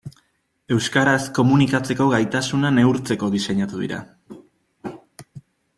Euskaraz komunikatzeko gaitasuna neurtzeko diseinatu dira.